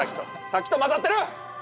さっきと混ざってる！